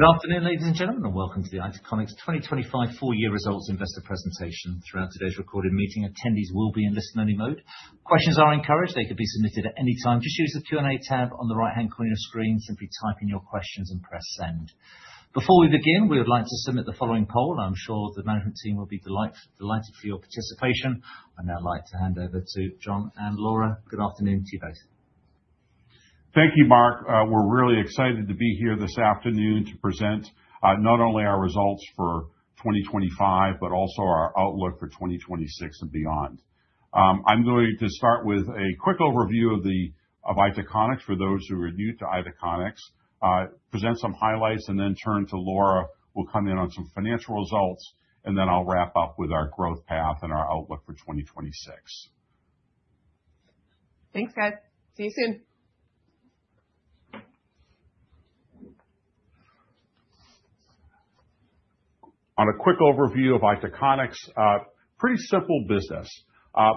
Good afternoon, ladies and gentlemen, and welcome to the Itaconix 2025 full-year results investor presentation. Throughout today's recorded meeting, attendees will be in listen-only mode. Questions are encouraged. They could be submitted at any time. Just use the Q&A tab on the right-hand corner of your screen, simply type in your questions and press send. Before we begin, we would like to submit the following poll. I am sure the management team will be delighted for your participation. I'd now like to hand over to John and Laura. Good afternoon to you both. Thank you, Mark. We're really excited to be here this afternoon to present, not only our results for 2025, but also our outlook for 2026 and beyond. I am going to start with a quick overview of Itaconix, for those who are new to Itaconix, present some highlights, and then turn to Laura, who will come in on some financial results, and then I will wrap up with our growth path and our outlook for 2026. Thanks, guys. See you soon. On a quick overview of Itaconix, pretty simple business.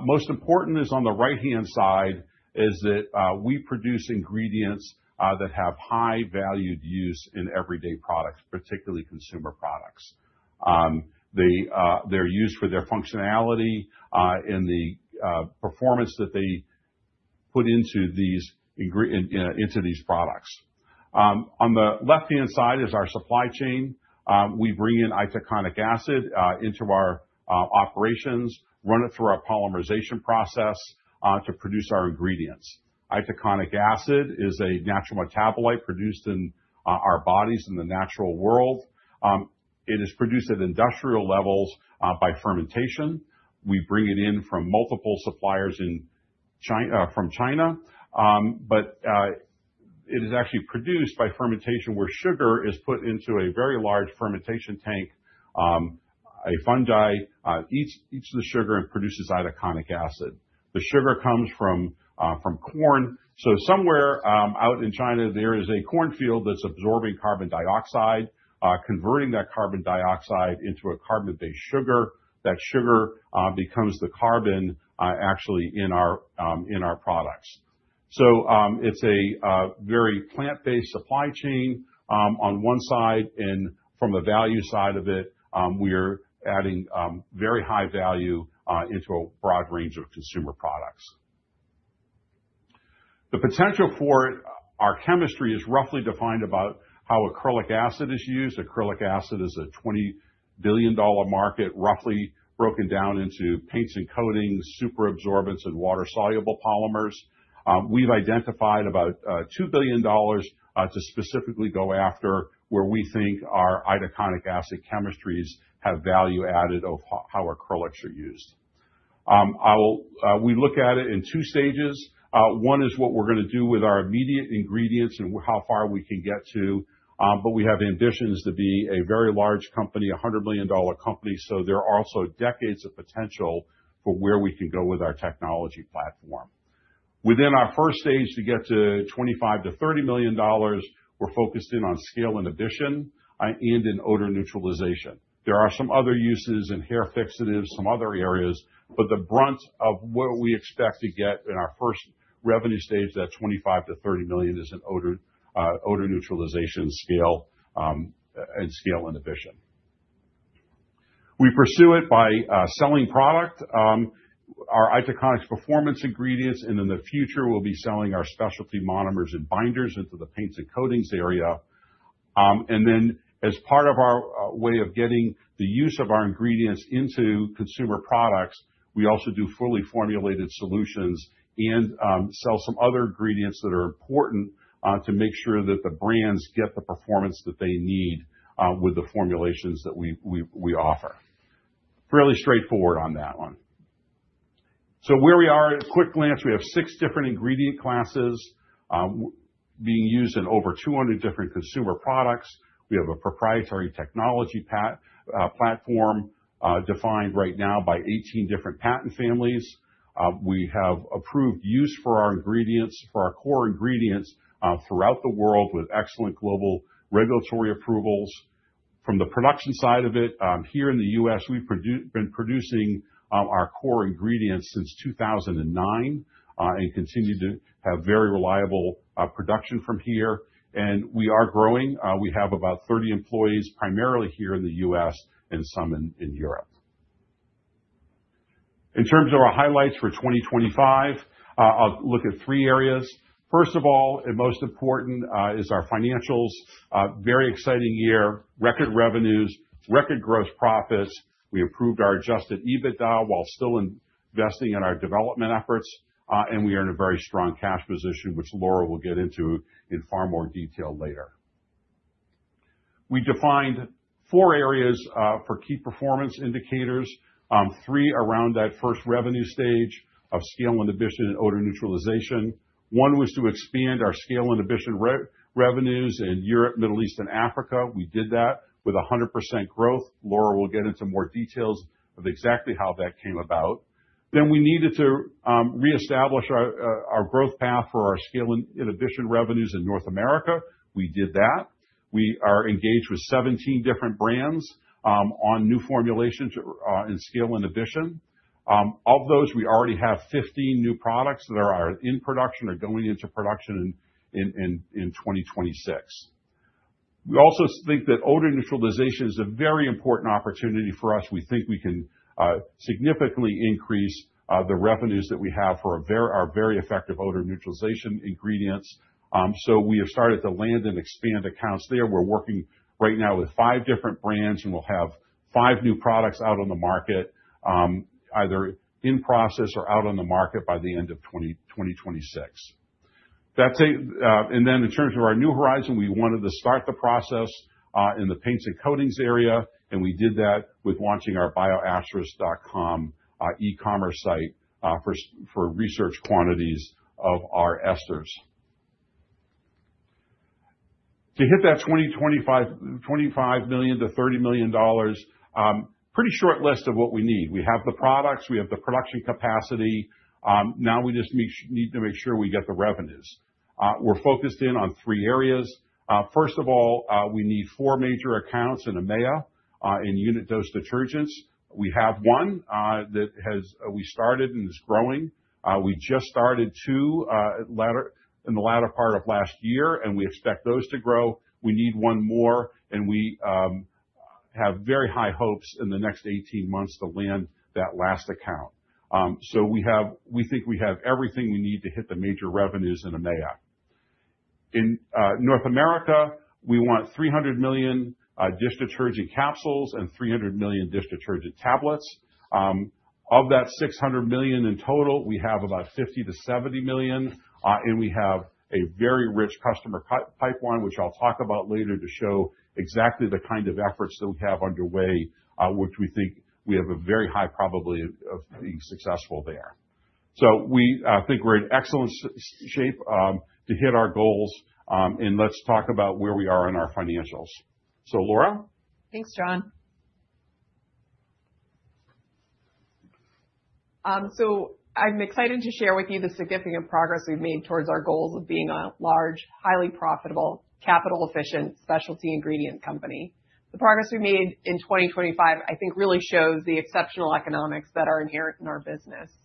Most important is on the right-hand side is that we produce ingredients that have high valued use in everyday products, particularly consumer products. They're used for their functionality in the performance that they put into these products. On the left-hand side is our supply chain. We bring in itaconic acid into our operations, run it through our polymerization process to produce our ingredients. Itaconic acid is a natural metabolite produced in our bodies in the natural world. It is produced at industrial levels by fermentation. We bring it in from multiple suppliers from China. It is actually produced by fermentation, where sugar is put into a very large fermentation tank. A fungi eats the sugar and produces itaconic acid. The sugar comes from corn. Somewhere out in China, there is a cornfield that's absorbing carbon dioxide, converting that carbon dioxide into a carbon-based sugar. That sugar becomes the carbon actually in our products. It's a very plant-based supply chain, on one side. From the value side of it, we're adding very high value into a broad range of consumer products. The potential for our chemistry is roughly defined about how acrylic acid is used. Acrylic acid is a GBP 20 billion market, roughly broken down into paints and coatings, superabsorbents, and water-soluble polymers. We've identified about GBP 2 billion to specifically go after where we think our itaconic acid chemistries have value added of how acrylics are used. We look at it in two stages. One is what we're going to do with our immediate ingredients and how far we can get to. We have ambitions to be a very large company, a GBP 100 million company. There are also decades of potential for where we can go with our technology platform. Within our first stage to get to $25 million to $30 million, we're focusing on scale inhibition and in odor neutralization. There are some other uses in hair fixatives, some other areas. The brunt of what we expect to get in our first stage revenue, that 25 million to 30 million, is in odor neutralization scale and scale inhibition. We pursue it by selling product, our Itaconix performance ingredients. In the future, we will be selling our specialty monomers and binders into the paints and coatings area. As part of our way of getting the use of our ingredients into consumer products, we also do fully formulated solutions and sell some other ingredients that are important to make sure that the brands get the performance that they need with the formulations that we offer. Fairly straightforward on that one. Where we are at a quick glance, we have six different ingredient classes being used in over 200 different consumer products. We have a proprietary technology platform defined right now by 18 different patent families. We have approved use for our core ingredients throughout the world with excellent global regulatory approvals. From the production side of it, here in the U.S., we've been producing our core ingredients since 2009, and continue to have very reliable production from here, and we are growing. We have about 30 employees, primarily here in the U.S. and some in Europe. In terms of our highlights for 2025, I will look at three areas. First of all, most important is our financials. Very exciting year, record revenues, record gross profits. We improved our adjusted EBITDA while still investing in our development efforts. We are in a very strong cash position, which Laura will get into in far more detail later. We defined four areas for key performance indicators. Three around that first revenue stage of scale inhibition and odor neutralization. One was to expand our scale inhibition revenues in Europe, Middle East, and Africa. We did that with 100% growth. Laura will get into more details of exactly how that came about. We needed to reestablish our growth path for our scale inhibition revenues in North America. We did that. We are engaged with 17 different brands on new formulations in scale inhibition. Of those, we already have 15 new products that are in production or going into production in 2026. We also think that odor neutralization is a very important opportunity for us. We think we can significantly increase the revenues that we have for our very effective odor neutralization ingredients. We have started to land and expand accounts there. We're working right now with 5 different brands, and we will have five new products out on the market, either in process or out on the market, by the end of 2026. In terms of our new horizon, we wanted to start the process in the paints and coatings area, and we did that with launching our bioasterix.com, e-commerce site, for research quantities of our esters. To hit that $25 million to $30 million, pretty short list of what we need. We have the products, we have the production capacity. Now we just need to make sure we get the revenues. We're focused in on three areas. First of all, we need four major accounts in EMEA, in unit dose detergents. We have one that we started and is growing. We just started two in the latter part of last year, and we expect those to grow. We need one more, and we have very high hopes in the next 18 months to land that last account. We think we have everything we need to hit the major revenues in EMEA. In North America, we want 300 million dish detergent capsules and 300 million dish detergent tablets. Of that 600 million in total, we have about 50 million to 70 million. We have a very rich customer pipeline, which I will talk about later to show exactly the kind of efforts that we have underway, which we think we have a very high probability of being successful there. We think we are in excellent shape to hit our goals. Let's talk about where we are in our financials. Laura? Thanks, John. I am excited to share with you the significant progress we've made towards our goals of being a large, highly profitable, capital-efficient, specialty ingredient company. The progress we have made in 2025, I think, really shows the exceptional economics that are inherent in our business.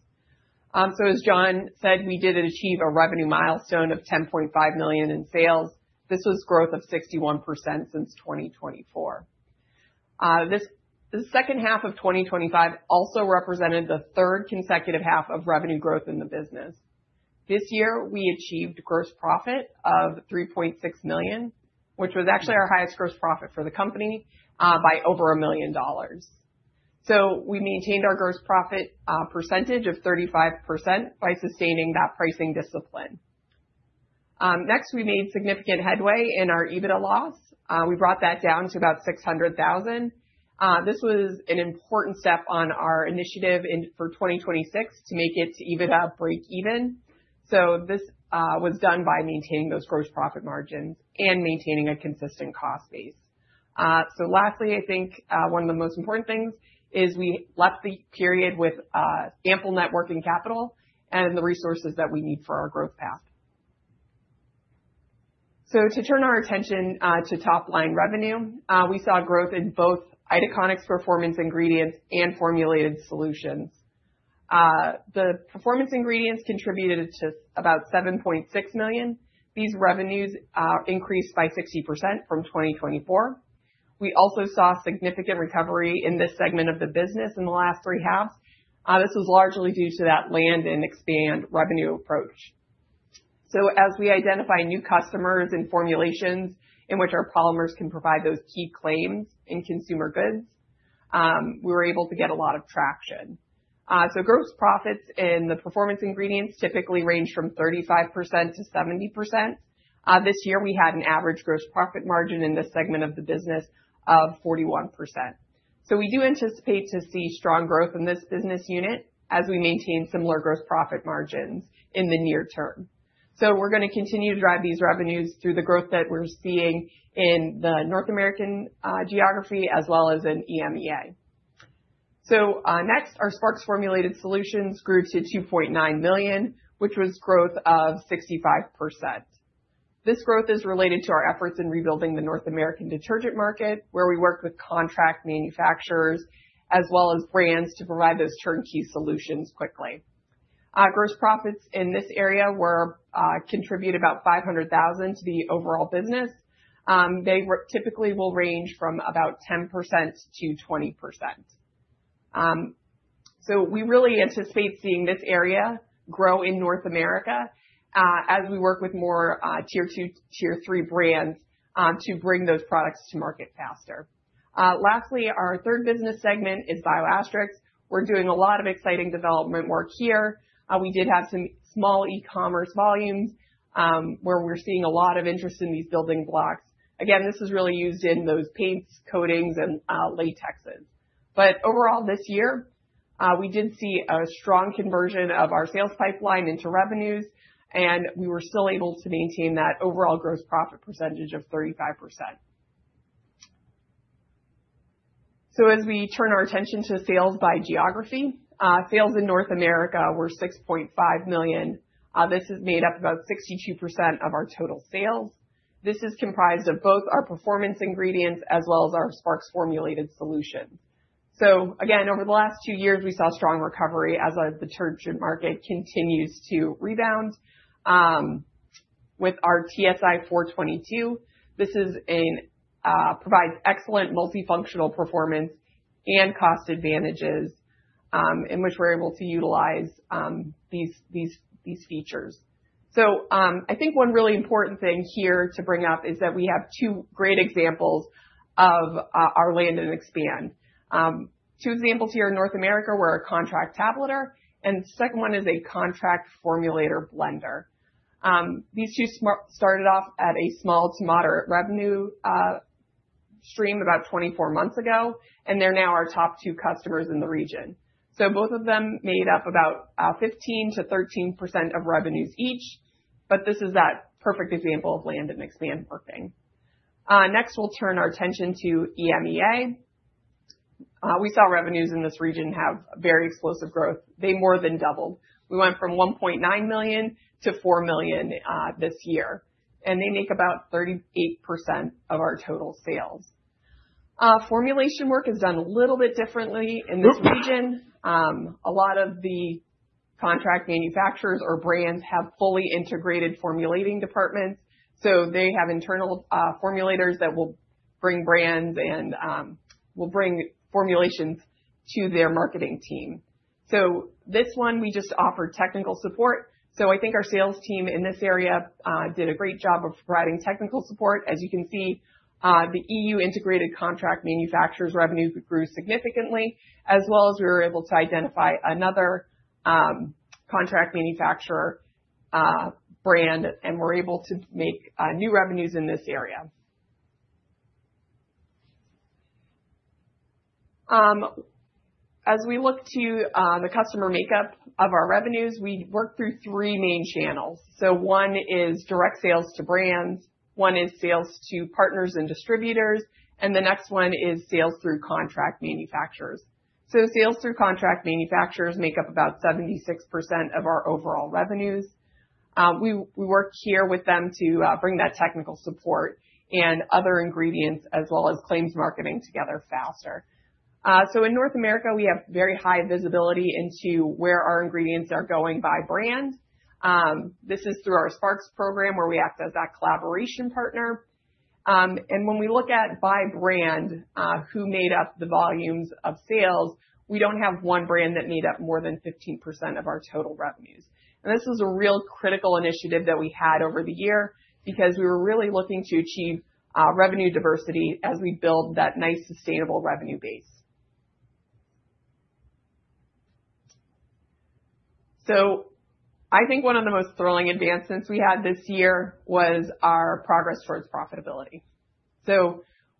As John said, we did achieve a revenue milestone of 10.5 million in sales. This was growth of 61% since 2024. The second half of 2025 also represented the third consecutive half of revenue growth in the business. This year, we achieved gross profit of 3.6 million, which was actually our highest gross profit for the company by over GBP 1 million. We maintained our gross profit percentage of 35% by sustaining that pricing discipline. Next, we made significant headway in our EBITDA loss. We brought that down to about 600,000. This was an important step on our initiative for 2026 to make it to EBITDA breakeven. This was done by maintaining those gross profit margins and maintaining a consistent cost base. Lastly, I think, one of the most important things is we left the period with ample net working capital and the resources that we need for our growth path. To turn our attention to top-line revenue. We saw growth in both Itaconix Performance Ingredients and Formulated Solutions. The Performance Ingredients contributed to about 7.6 million. These revenues increased by 60% from 2024. We also saw significant recovery in this segment of the business in the last three halves. This was largely due to that land and expand revenue approach. As we identify new customers and formulations in which our polymers can provide those key claims in consumer goods, we were able to get a lot of traction. Gross profits in the performance ingredients typically range from 35% to 70%. This year, we had an average gross profit margin in this segment of the business of 41%. We do anticipate to see strong growth in this business unit as we maintain similar gross profit margins in the near term. We are going to continue to drive these revenues through the growth that we are seeing in the North American geography as well as in EMEA. Next, our SPARX Formulated Solutions grew to 2.9 million, which was growth of 65%. This growth is related to our efforts in rebuilding the North American detergent market, where we work with contract manufacturers as well as brands to provide those turnkey solutions quickly. Gross profits in this area contribute about 500,000 to the overall business. They typically will range from about 10% to 20%. We really anticipate seeing this area grow in North America as we work with more Tier 2, Tier 3 brands to bring those products to market faster. Lastly, our third business segment is BIO*Asterix. We're doing a lot of exciting development work here. We did have some small e-commerce volumes, where we're seeing a lot of interest in these building blocks. Again, this is really used in those paints, coatings, and latexes. Overall this year, we did see a strong conversion of our sales pipeline into revenues, and we were still able to maintain that overall gross profit percentage of 35%. As we turn our attention to sales by geography, sales in North America were 6.5 million. This has made up about 62% of our total sales. This is comprised of both our performance ingredients as well as our SPARX Formulated Solutions. Again, over the last two years, we saw strong recovery as the detergent market continues to rebound. With our TSI 422, this provides excellent multifunctional performance and cost advantages in which we're able to utilize these features. I think one really important thing here to bring up is that we have two great examples of our land and expand. Two examples here in North America, we're a contract tableter, and the second one is a contract formulator blender. These two started off at a small to moderate revenue stream about 24 months ago, and they're now our top two customers in the region. Both of them made up about 15% to 13% of revenues each. This is that perfect example of land and expand working. Next, we'll turn our attention to EMEA. We saw revenues in this region have very explosive growth. They more than doubled. We went from 1.9 million to 4 million this year, and they make about 38% of our total sales. Formulation work is done a little bit differently in this region. A lot of the contract manufacturers or brands have fully integrated formulating departments. They have internal formulators that will bring brands and will bring formulations to their marketing team. This one, we just offer technical support. I think our sales team in this area did a great job of providing technical support. As you can see, the EU integrated contract manufacturers revenues grew significantly as well as we're able to identify another contract manufacturer brand, and we're able to make new revenues in this area. As we look to the customer makeup of our revenues, we work through three main channels. One is direct sales to brands, one is sales to partners and distributors, and the next one is sales through contract manufacturers. Sales through contract manufacturers make up about 76% of our overall revenues. We work here with them to bring that technical support and other ingredients as well as claims marketing together faster. In North America, we have very high visibility into where our ingredients are going by brand. This is through our SPARX program, where we act as that collaboration partner. When we look at by brand, who made up the volumes of sales, we do not have one brand that made up more than 15% of our total revenues. This was a real critical initiative that we had over the year because we were really looking to achieve revenue diversity as we build that nice, sustainable revenue base. I think one of the most thrilling advancements we had this year was our progress towards profitability.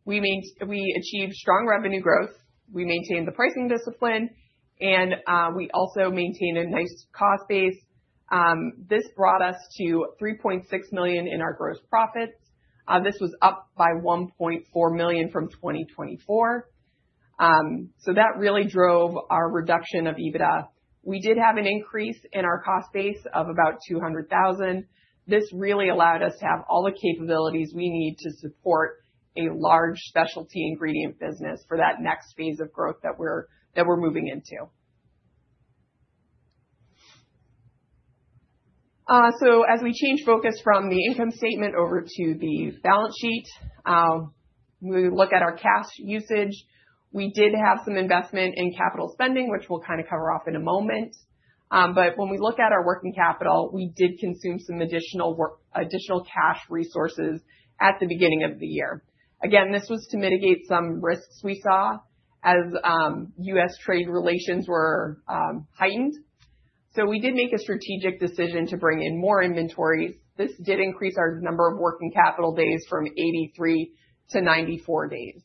We achieved strong revenue growth, we maintained the pricing discipline, and we also maintained a nice cost base. This brought us to 3.6 million in our gross profits. This was up by 1.4 million from 2024. That really drove our reduction of EBITDA. We did have an increase in our cost base of about 200,000. This really allowed us to have all the capabilities we need to support a large specialty ingredient business for that next phase of growth that we're moving into. As we change focus from the income statement over to the balance sheet, we look at our cash usage. We did have some investment in capital spending, which we'll kind of cover off in a moment. When we look at our working capital, we did consume some additional cash resources at the beginning of the year. Again, this was to mitigate some risks we saw as U.S. trade relations were heightened. We did make a strategic decision to bring in more inventories. This did increase our number of working capital days from 83 to 94 days.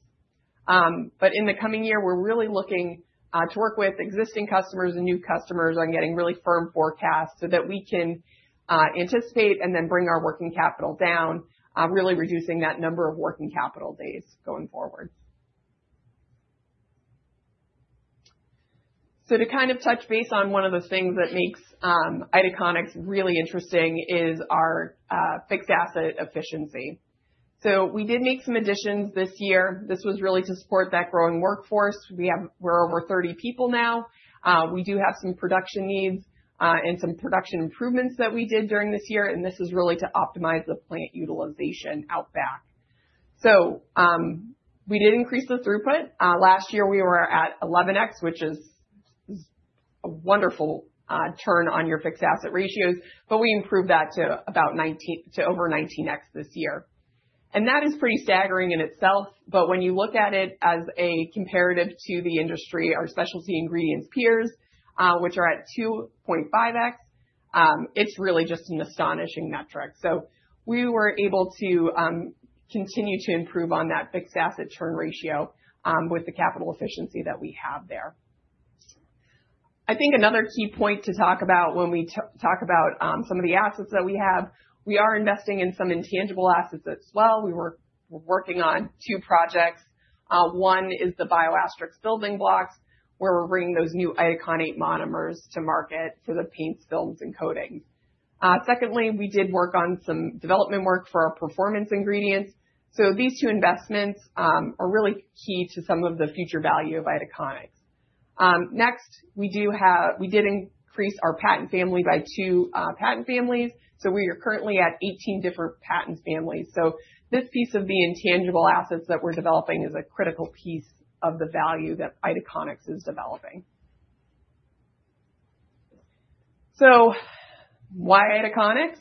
In the coming year, we are really looking to work with existing customers and new customers on getting really firm forecasts so that we can anticipate and then bring our working capital down, really reducing that number of working capital days going forward. To kind of touch base on one of the things that makes Itaconix really interesting is our fixed asset efficiency. We did make some additions this year. This was really to support that growing workforce. We're over 30 people now. We do have some production needs and some production improvements that we did during this year, and this is really to optimize the plant utilization outback. We did increase the throughput. Last year we were at 11x, which is a wonderful turn on your fixed asset ratios, but we improved that to over 19x this year. That is pretty staggering in itself, but when you look at it as a comparative to the industry, our specialty ingredients peers, which are at 2.5x, it's really just an astonishing metric. We were able to continue to improve on that fixed asset turn ratio with the capital efficiency that we have there. I think another key point to talk about when we talk about some of the assets that we have, we are investing in some intangible assets as well. We're working on two projects. One is the BIO*Asterix Building Blocks, where we're bringing those new itaconate monomers to market to the paints, films, and coatings. Secondly, we did work on some development work for our performance ingredients. These two investments are really key to some of the future value of Itaconix. Next, we did increase our patent family by two patent families, so we are currently at 18 different patent families. This piece of the intangible assets that we are developing is a critical piece of the value that Itaconix is developing. Why Itaconix?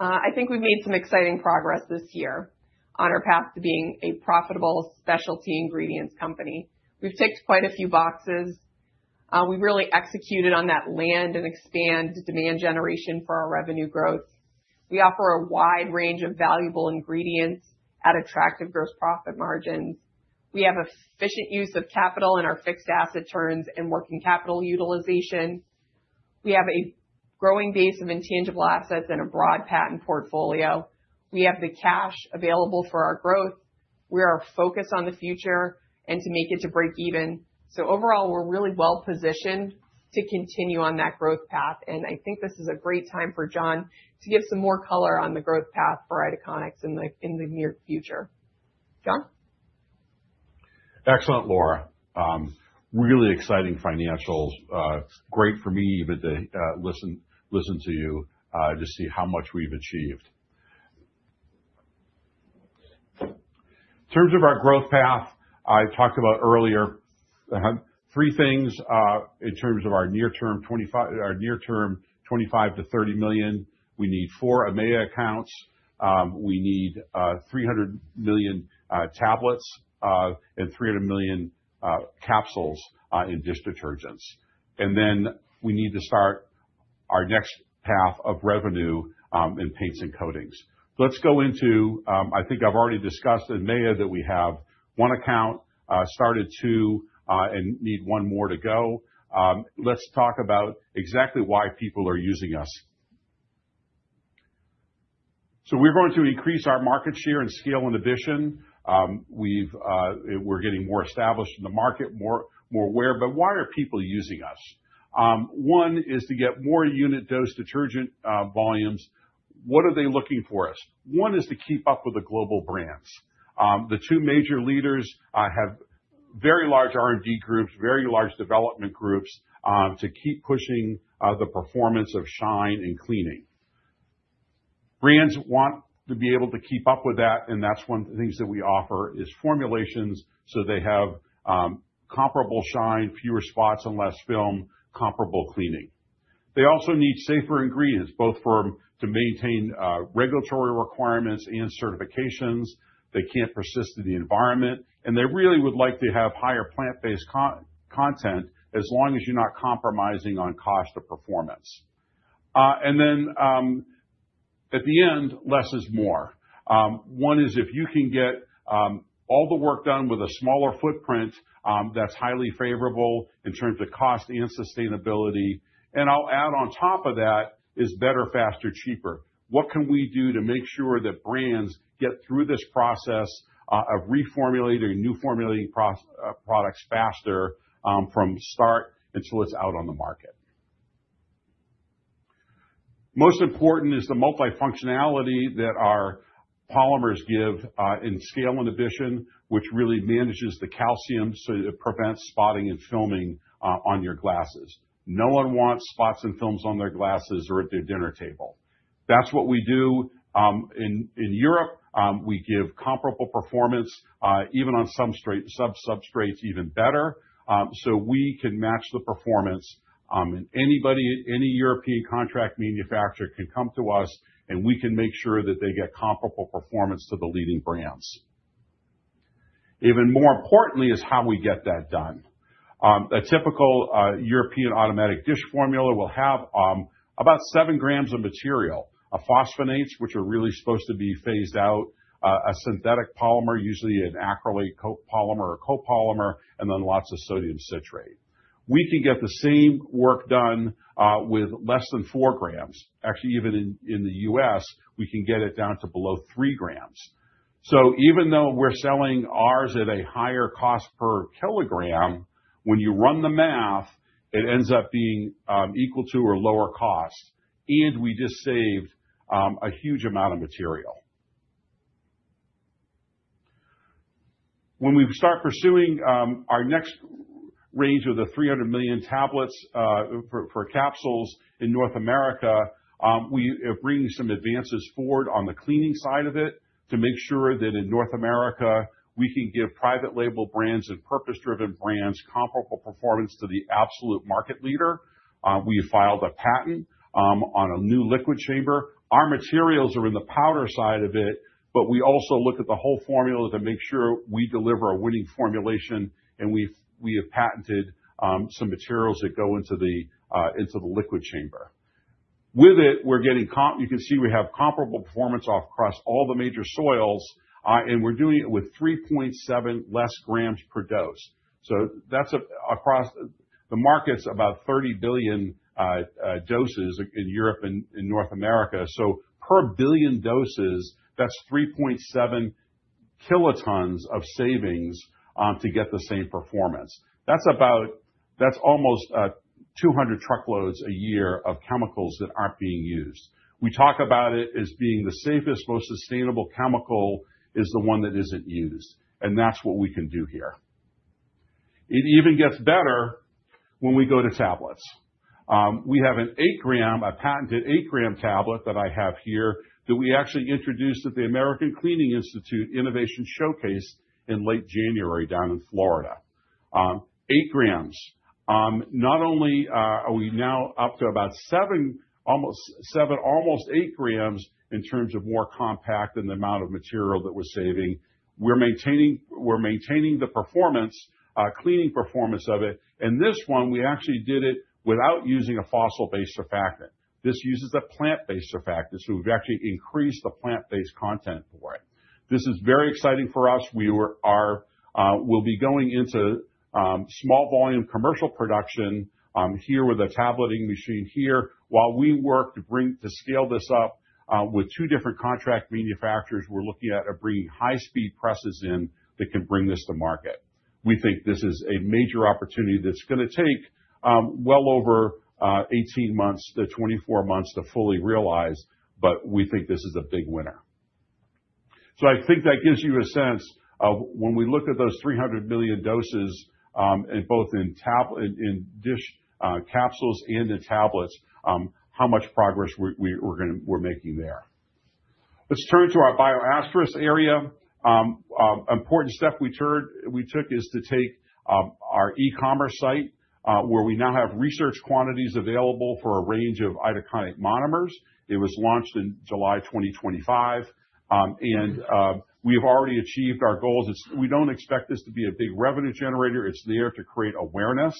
I think we've made some exciting progress this year on our path to being a profitable specialty ingredients company. Wehave ticked quite a few boxes. We've really executed on that land and expand demand generation for our revenue growth. We offer a wide range of valuable ingredients at attractive gross profit margins. We have efficient use of capital in our fixed asset turns and working capital utilization. We have a growing base of intangible assets and a broad patent portfolio. We have the cash available for our growth. We are focused on the future and to make it to breakeven. Overall, we are really well-positioned to continue on that growth path, and I think this is a great time for John to give some more color on the growth path for Itaconix in the near future. John? Excellent, Laura. Really exciting financials. Great for me even to listen to you, to see how much we've achieved. In terms of our growth path, I talked about earlier, three things in terms of our near term, 25 million to 30 million. We need four EMEA accounts. We need 300 million tablets and 300 million capsules in dish detergents. We need to start our next path of revenue in paints and coatings. I think I have already discussed in EMEA that we have one account, started two, and need one more to go. Let's talk about exactly why people are using us. We are going to increase our market share and scale inhibition. We are getting more established in the market, more aware. Why are people using us? One is to get more unit dose detergent volumes. What are they looking for us? One is to keep up with the global brands. The two major leaders have very large R&D groups, very large development groups, to keep pushing the performance of shine and cleaning. Brands want to be able to keep up with that. That's one of the things that we offer is formulations, so they have comparable shine, fewer spots and less film, comparable cleaning. They also need safer ingredients, both to maintain regulatory requirements and certifications. They can't persist in the environment. They really would like to have higher plant-based content as long as you're not compromising on cost or performance. Then, at the end, less is more. One is if you can get all the work done with a smaller footprint, that's highly favorable in terms of cost and sustainability. I will add on top of that is better, faster, cheaper. What can we do to make sure that brands get through this process of reformulating, new formulating products faster from start until it is out on the market? Most important is the multi-functionality that our polymers give in scale inhibition, which really manages the calcium, so it prevents spotting and filming on your glasses. No one wants spots and films on their glasses or at their dinner table. That's what we do in Europe. We give comparable performance, even on some substrates even better. We can match the performance. Any European contract manufacturer can come to us, and we can make sure that they get comparable performance to the leading brands. Even more importantly is how we get that done. A typical European automatic dish formula will have about seven grams of material, of phosphonates, which are really supposed to be phased out, a synthetic polymer, usually an acrylate polymer or copolymer, and then lots of sodium citrate. We can get the same work done with less than four grams. Actually, even in the U.S., we can get it down to below three grams. Even though we're selling ours at a higher cost per kilogram, when you run the math, it ends up being equal to or lower cost, and we just saved a huge amount of material. When we start pursuing our next range of the 300 million tablets for capsules in North America, we are bringing some advances forward on the cleaning side of it to make sure that in North America, we can give private label brands and purpose-driven brands comparable performance to the absolute market leader. We have filed a patent on a new liquid chamber. Our materials are in the powder side of it, but we also look at the whole formula to make sure we deliver a winning formulation, and we have patented some materials that go into the liquid chamber. With it, you can see we have comparable performance across all the major soils, and we're doing it with 3.7 less grams per dose. That's across the markets, about 30 billion doses in Europe and in North America. Per billion doses, that's 3.7 kilotons of savings to get the same performance. That's almost 200 truckloads a year of chemicals that aren't being used. We talk about it as being the safest, most sustainable chemical is the one that isn't used, and that's what we can do here. It even gets better when we go to tablets. We have a patented eight-gram tablet that I have here that we actually introduced at the American Cleaning Institute Innovation Showcase in late January down in Florida. Eight grams. Not only are we now up to about seven, almost eight grams in terms of more compact and the amount of material that we're saving, we are maintaining the cleaning performance of it. This one, we actually did it without using a fossil-based surfactant. This uses a plant-based surfactant, so we've actually increased the plant-based content for it. This is very exciting for us. We'll be going into small volume commercial production here with a tableting machine here while we work to scale this up with two different contract manufacturers we're looking at bringing high-speed presses in that can bring this to market. We think this is a major opportunity that's going to take well over 18 months to 24 months to fully realize, but we think this is a big winner. I think that gives you a sense of when we look at those 300 million doses, both in dish capsules and in tablets, how much progress we're making there. Let's turn to our BIO*Asterix area. Important step we took is to take our e-commerce site, where we now have research quantities available for a range of itaconate monomers. It was launched in July 2025. We have already achieved our goals. We don't expect this to be a big revenue generator. It's there to create awareness.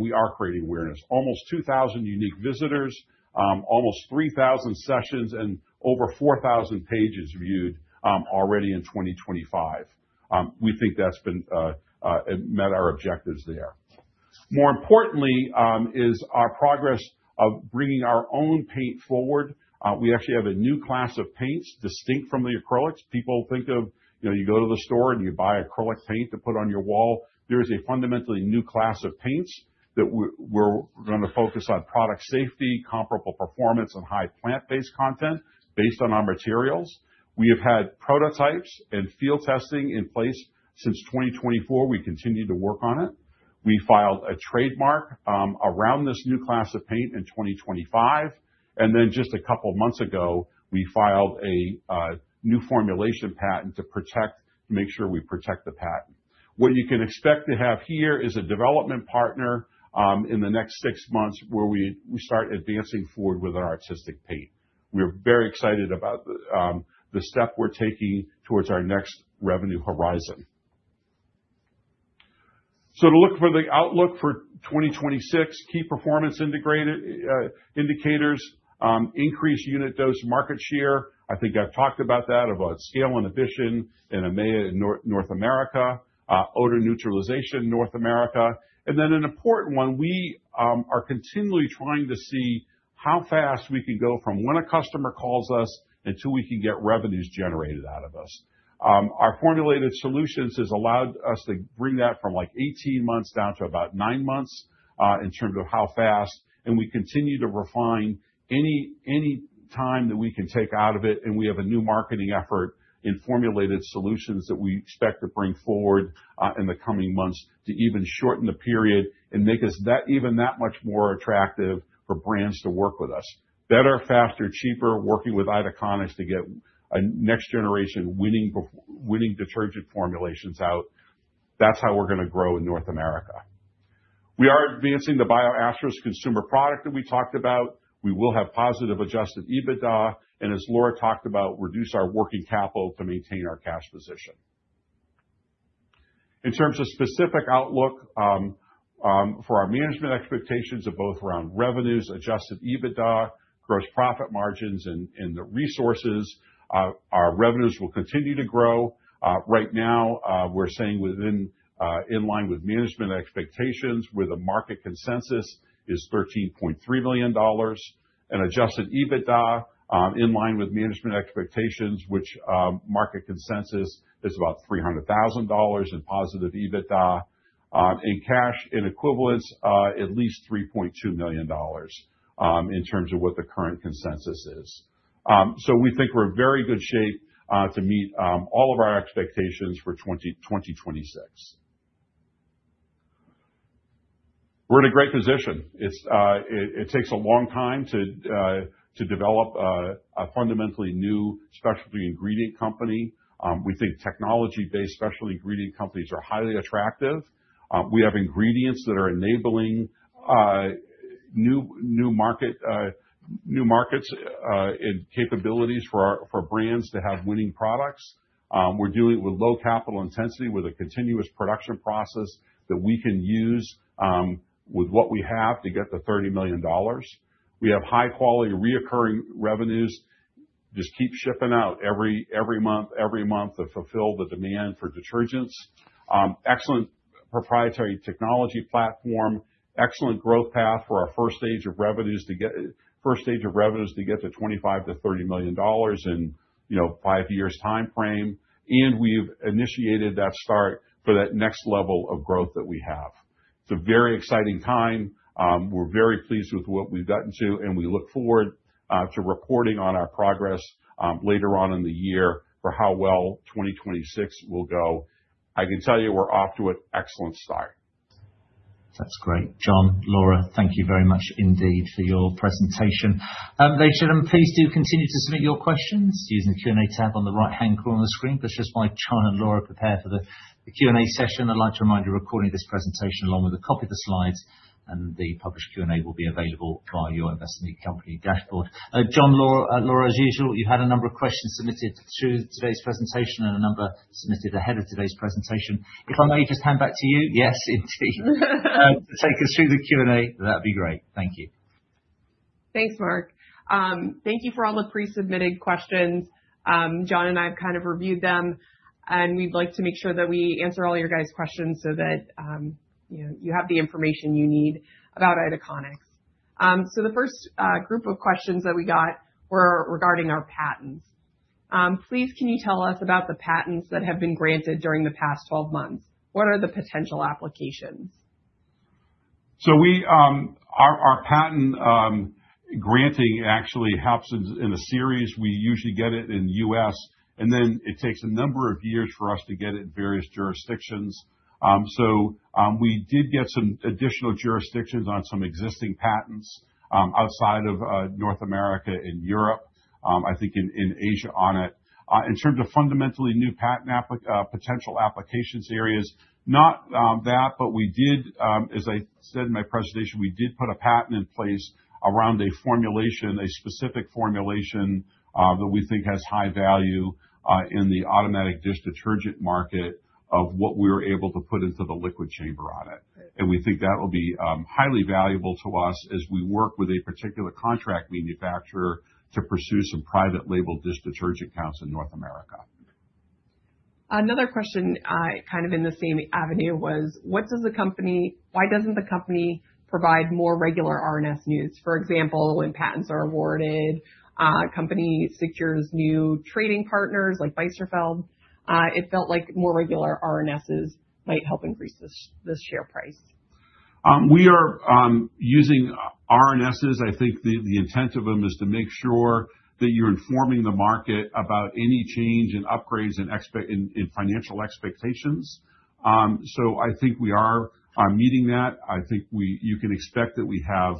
We are creating awareness. Almost 2,000 unique visitors, almost 3,000 sessions, and over 4,000 pages viewed already in 2025. We think that's met our objectives there. More importantly is our progress of bringing our own paint forward. We actually have a new class of paints distinct from the acrylics. People think of you go to the store and you buy acrylic paint to put on your wall. There is a fundamentally new class of paints that we're going to focus on product safety, comparable performance, and high plant-based content based on our materials. We have had prototypes and field testing in place since 2024. We continue to work on it. We filed a trademark around this new class of paint in 2025, and then just a couple of months ago, we filed a new formulation patent to make sure we protect the patent. What you can expect to have here is a development partner in the next six months where we start advancing forward with our BIO*Asterix paint. We're very excited about the step we're taking towards our next revenue horizon. To look for the outlook for 2026, key performance indicators, increased unit dose market share. I think I have talked about that, about scale inhibition in EMEA and North America, odor neutralization in North America. An important one, we are continually trying to see how fast we can go from when a customer calls us until we can get revenues generated out of us. Our SPARX Formulated Solutions has allowed us to bring that from 18 months down to about nine months in terms of how fast. We continue to refine any time that we can take out of it. We have a new marketing effort in SPARX Formulated Solutions that we expect to bring forward in the coming months to even shorten the period and make us even that much more attractive for brands to work with us. Better, faster, cheaper, working with Itaconix to get next generation winning detergent formulations out. That's how we're going to grow in North America. We are advancing the BIO*Asterix consumer product that we talked about. We will have positive adjusted EBITDA. As Laura talked about, reduce our working capital to maintain our cash position. In terms of specific outlook for our management expectations of both around revenues, adjusted EBITDA, gross profit margins, and the resources, our revenues will continue to grow. Right now, we're saying in line with management expectations, where the market consensus is GBP 13.3 million. Adjusted EBITDA in line with management expectations, which market consensus is about GBP 300,000 in positive EBITDA. In cash and equivalents, at least GBP 3.2 million in terms of what the current consensus is. We think we're in very good shape to meet all of our expectations for 2026. We're in a great position. It takes a long time to develop a fundamentally new specialty ingredient company. We think technology-based specialty ingredient companies are highly attractive. We have ingredients that are enabling new markets and capabilities for brands to have winning products. We're doing it with low capital intensity, with a continuous production process that we can use with what we have to get to GBP 30 million. We have high-quality, recurring revenues. Just keep shipping out every month to fulfill the demand for detergents. Excellent proprietary technology platform, excellent growth path for our first stage of revenues to get to 25 million to GBP 30 million in five years timeframe, and we've initiated that start for that next level of growth that we have. It's a very exciting time. We're very pleased with what we've gotten to, and we look forward to reporting on our progress later on in the year for how well 2026 will go. I can tell you we're off to an excellent start. That's great. John, Laura, thank you very much indeed for your presentation. Ladies and gentlemen, please do continue to submit your questions using the Q&A tab on the right-hand corner of the screen. Just while John and Laura prepare for the Q&A session, I would like to remind you, a recording of this presentation along with a copy of the slides and the published Q&A will be available via your Investor Company dashboard. John, Laura, as usual, you had a number of questions submitted through today's presentation and a number submitted ahead of today's presentation. If I may just hand back to you. Yes, indeed. Take us through the Q&A, that'd be great. Thank you. Thanks, Mark. Thank you for all the pre-submitted questions. John and I have reviewed them, and we'd like to make sure that we answer all your guys' questions so that you have the information you need about Itaconix. The first group of questions that we got were regarding our patents. Please can you tell us about the patents that have been granted during the past 12 months? What are the potential applications? Our patent granting actually happens in a series. We usually get it in the U.S., and then it takes a number of years for us to get it in various jurisdictions. We did get some additional jurisdictions on some existing patents, outside of North America and Europe, I think in Asia on it. In terms of fundamentally new patent potential applications areas, not that, but as I said in my presentation, we did put a patent in place around a specific formulation that we think has high value in the automatic dish detergent market of what we were able to put into the liquid chamber on it. Right. We think that will be highly valuable to us as we work with a particular contract manufacturer to pursue some private label dish detergent accounts in North America. Another question in the same avenue was, why doesn't the company provide more regular RNS news? For example, when patents are awarded, company secures new trading partners like Beiersdorf. It felt like more regular RNSs might help increase the share price. We are using RNSs. I think the intent of them is to make sure that you are informing the market about any change in upgrades in financial expectations. I think we are meeting that. I think you can expect that we have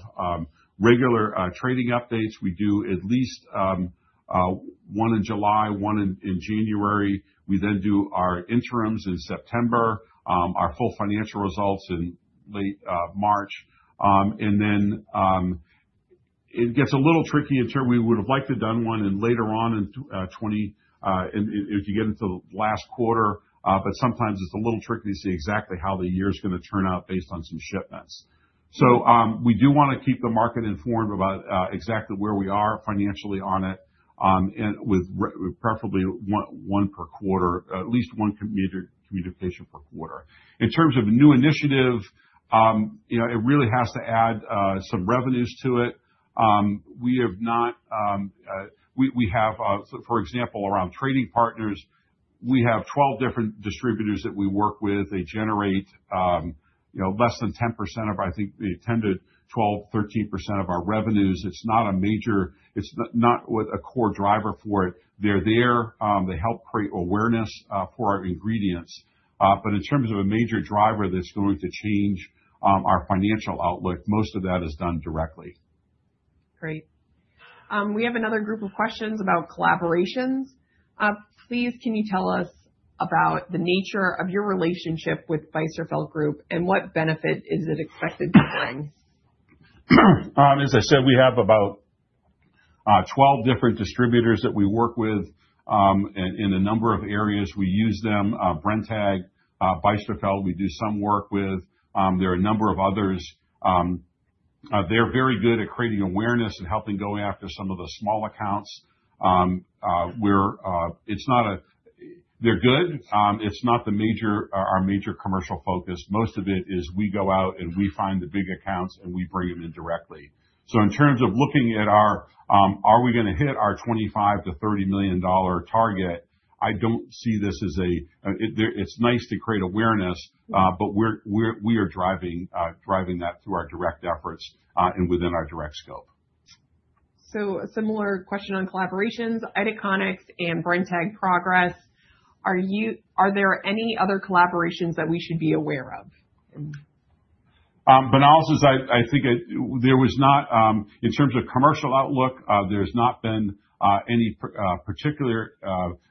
regular trading updates. We do at least one in July, one in January. We then do our interims in September, our full financial results in late March. It gets a little tricky in terms, we would've liked to done one in later on in, if you get into the last quarter. Sometimes it's a little tricky to see exactly how the year's going to turn out based on some shipments. We do want to keep the market informed about exactly where we are financially on it, and with preferably one per quarter, at least one communication per quarter. In terms of new initiative, it really has to add some revenues to it. For example, around trading partners, we have 12 different distributors that we work with. They generate less than 10%, but I think they attended 12, 13% of our revenues. It's not a core driver for it. They're there. They help create awareness for our ingredients. In terms of a major driver that's going to change our financial outlook, most of that is done directly. Great. We have another group of questions about collaborations. Please, can you tell us about the nature of your relationship with Beiersdorf Group, and what benefit is it expected to bring? As I said, we have about 12 different distributors that we work with, in a number of areas we use them. Brenntag, Beiersdorf, we do some work with. There are a number of others. Theya re very good at creating awareness and helping going after some of the small accounts. They are good. It's not our major commercial focus. Most of it is we go out and we find the big accounts, and we bring them in directly. In terms of looking at are we going to hit our 25 million to GBP 30 million target, I don't see this as It's nice to create awareness, but we are driving that through our direct efforts, and within our direct scope. A similar question on collaborations, Itaconix and Brenntag progress. Are there any other collaborations that we should be aware of? Bonals, in terms of commercial outlook, there's not been any particular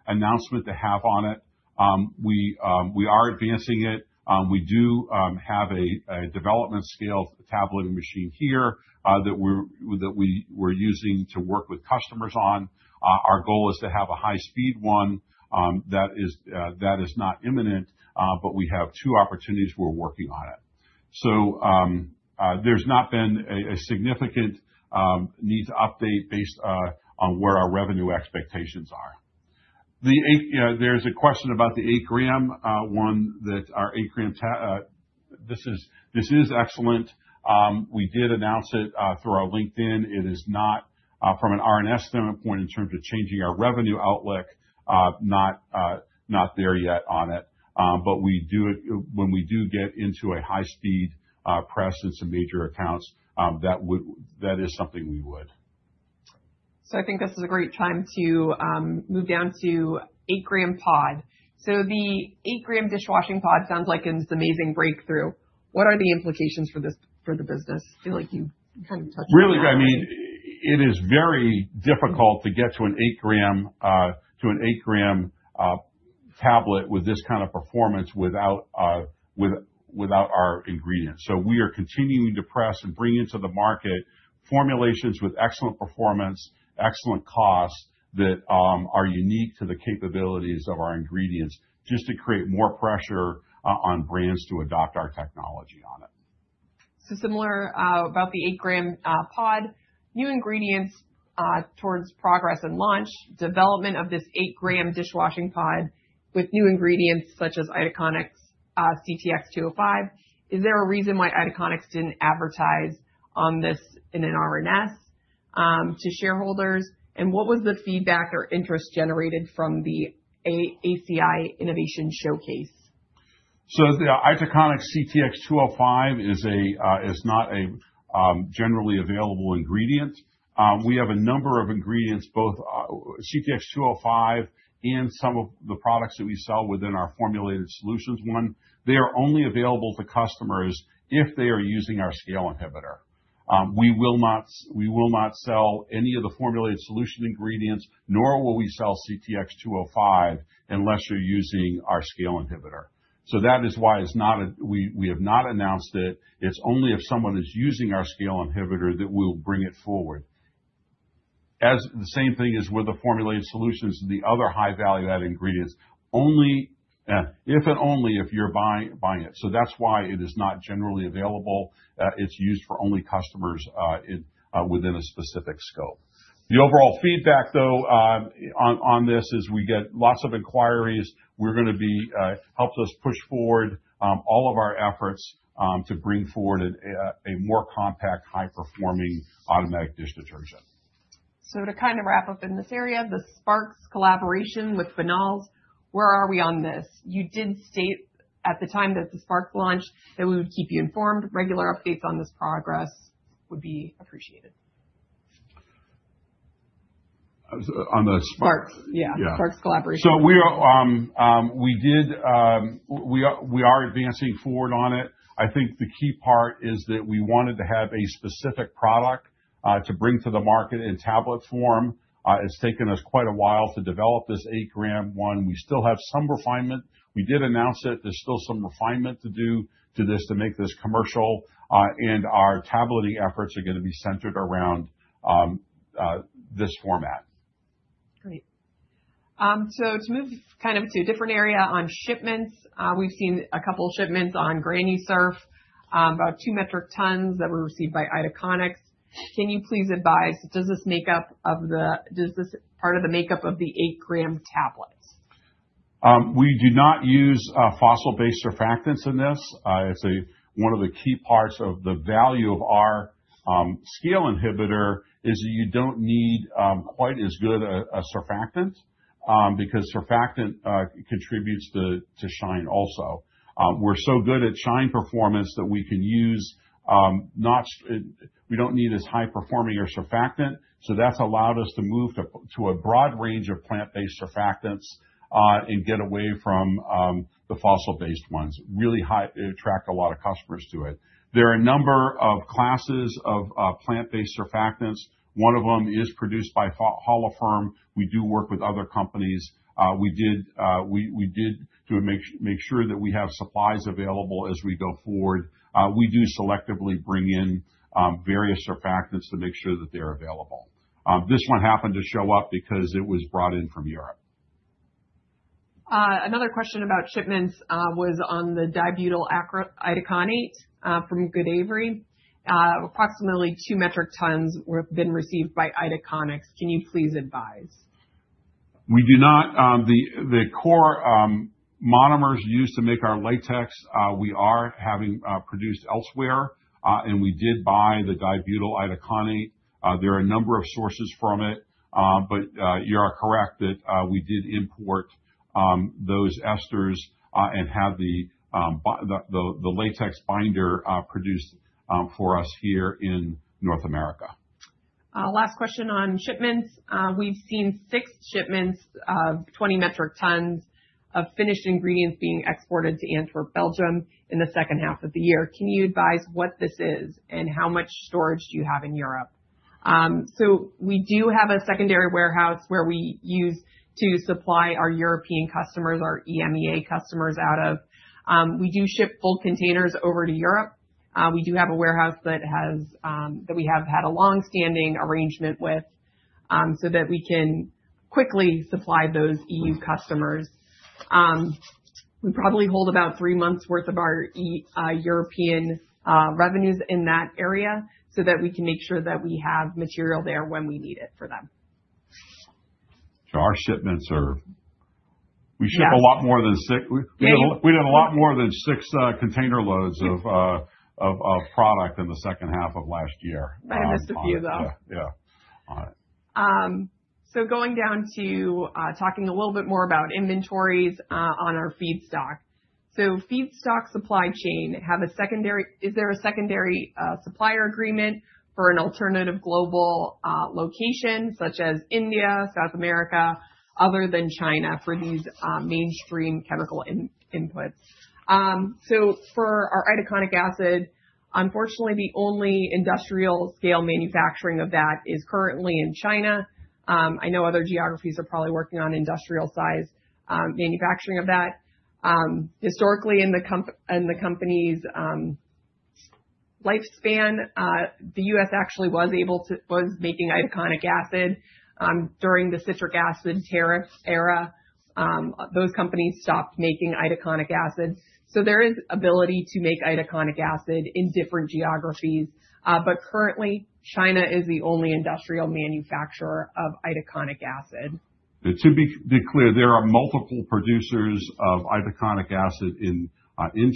announcement to have on it. We are advancing it. We do have a development scale tableting machine here that we're using to work with customers on. Our goal is to have a high speed one. That is not imminent, but we have two opportunities we're working on it. There's not been a significant need to update based on where our revenue expectations are. There's a question about the eight-gram one, this is excellent. We did announce it through our LinkedIn. It is not from an RNS standpoint in terms of changing our revenue outlook, not there yet on it. When we do get into a high speed press in some major accounts, that is something we would. I think this is a great time to move down to eight-gram pod. The eight-gram dishwashing pod sounds like it was an amazing breakthrough. What are the implications for the business? I feel like you kind of touched on that. Really, it is very difficult to get to an eight-gram tablet with this kind of performance without our ingredients. We are continuing to press and bring into the market formulations with excellent performance, excellent cost, that are unique to the capabilities of our ingredients, just to create more pressure on brands to adopt our technology on it. Similar, about the 8-gram pod. New ingredients towards progress and launch, development of this 8-gram dishwashing pod with new ingredients such as Itaconix CTX-205. Is there a reason why Itaconix didn't advertise on this in an RNS to shareholders? What was the feedback or interest generated from the ACI Innovation Showcase? The Itaconix CTX-205 is not a generally available ingredient. We have a number of ingredients, both CTX-205 and some of the products that we sell within our Formulated Solutions one. They are only available to customers if they are using our scale inhibitor. We will not sell any of the Formulated Solution ingredients, nor will we sell CTX-205 unless you're using our scale inhibitor. That is why we have not announced it. It's only if someone is using our scale inhibitor that we'll bring it forward. The same thing is with the Formulated Solutions and the other high value-add ingredients. If and only if you are buying it. That's why it is not generally available. It's used for only customers within a specific scope. The overall feedback, though, on this is we get lots of inquiries. Helps us push forward all of our efforts to bring forward a more compact, high-performing automatic dish detergent. To kind of wrap up in this area, the SPARX collaboration with Bonals Technologies, where are we on this? You did state at the time that the SPARX launch that we would keep you informed. Regular updates on this progress would be appreciated. On the SPARX? SPARX, yeah. Yeah. SPARX collaboration. We are advancing forward on it. I think the key part is that we wanted to have a specific product to bring to the market in tablet form. It's taken us quite a while to develop this eight-gram one. We still have some refinement. We did announce it. There's still some refinement to do to this to make this commercial. Our tableting efforts are going to be centered around this format. Great. To move kind of to a different area on shipments. We've seen a couple shipments on HoneySurf, about 2 metric tons that were received by Itaconix. Can you please advise, does this part of the makeup of the 8-gram tablets? We do not use fossil-based surfactants in this. I'd say one of the key parts of the value of our scale inhibitor is that you don't need quite as good a surfactant, because surfactant contributes to shine also. We're so good at shine performance that we don't need as high performing a surfactant. That's allowed us to move to a broad range of plant-based surfactants, and get away from the fossil-based ones. Really attract a lot of customers to it. There are a number of classes of plant-based surfactants. One of them is produced by Holiferm. We do work with other companies. We did to make sure that we have supplies available as we go forward. We do selectively bring in various surfactants to make sure that they're available. This one happened to show up because it was brought in from Europe. Another question about shipments was on the Dibutyl itaconate from Godavari. Approximately 2 metric tons have been received by Itaconix. Can you please advise? The core monomers used to make our latex, we are having produced elsewhere. We did buy the dibutyl itaconate. There are a number of sources from it. You are correct that we did import those esters, and have the latex binder produced for us here in North America. Last question on shipments. We've seen six shipments of 20 metric tons of finished ingredients being exported to Antwerp, Belgium in the second half of the year. Can you advise what this is, and how much storage do you have in Europe? We do have a secondary warehouse where we use to supply our European customers, our EMEA customers out of. We do ship full containers over to Europe. We do have a warehouse that we have had a long-standing arrangement with, so that we can quickly supply those EU customers. We probably hold about three months worth of our European revenues in that area so that we can make sure that we have material there when we need it for them. Our shipments are. Yes We ship a lot more than six. We did a lot more than six container loads of product in the second half of last year. I missed a few of them. Yeah. All right. Going down to talking a little bit more about inventories on our feedstock. Feedstock supply chain, is there a secondary supplier agreement for an alternative global location such as India, South America, other than China for these mainstream chemical inputs? For our itaconic acid, unfortunately, the only industrial scale manufacturing of that is currently in China. I know other geographies are probably working on industrial size manufacturing of that. Historically, in the company's lifespan, the U.S. actually was making itaconic acid during the citric acid tariff era. Those companies stopped making itaconic acid. There is ability to make itaconic acid in different geographies. Currently, China is the only industrial manufacturer of itaconic acid. To be clear, there are multiple producers of itaconic acid in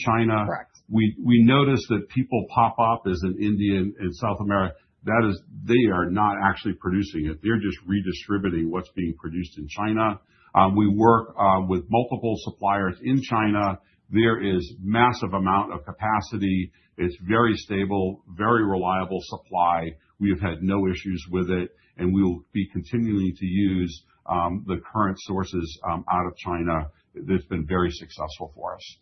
China. Correct. We notice that people pop up as in India and South America. They are not actually producing it. They are just redistributing what's being produced in China. We work with multiple suppliers in China. There is massive amount of capacity. It's very stable, very reliable supply. We have had no issues with it. We will be continuing to use the current sources out of China. They've been very successful for us.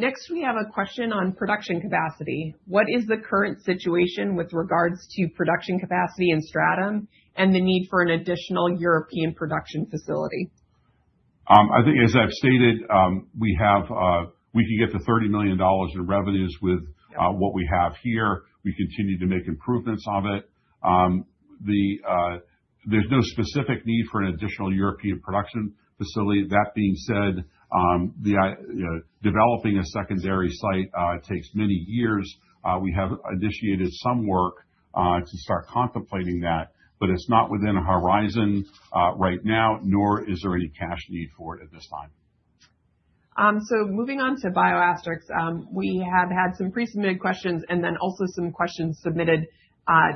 Next, we have a question on production capacity. What is the current situation with regards to production capacity in Stratham and the need for an additional European production facility? I think, as I have stated, we can get to $30 million in revenues with what we have here. We continue to make improvements on it. There's no specific need for an additional European production facility. That being said, developing a secondary site takes many years. We have initiated some work to start contemplating that, but it's not within our horizon right now, nor is there any cash need for it at this time. Moving on to BIO*Asterix. We have had some pre-submitted questions and then also some questions submitted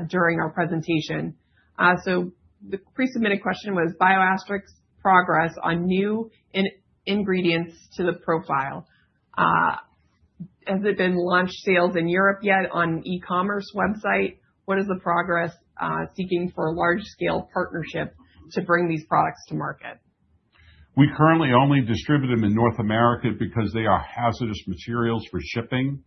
during our presentation. The pre-submitted question was BIO*Asterix progress on new ingredients to the profile. Has it been launch sales in Europe yet on e-commerce website? What is the progress seeking for a large scale partnership to bring these products to market? We currently only distribute them in North America because they are hazardous materials for shipping.